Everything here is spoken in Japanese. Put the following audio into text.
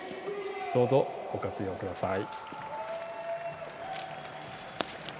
どうぞご活用ください。